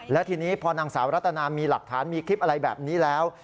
และทีนี้พอนางสาวรัตนามีหลักฐานมีคลิปอะไรแบบนี้แล้ว